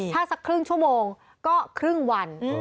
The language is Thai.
ถ้าสักครึ่งชั่วโมงก็ครึ่งวัน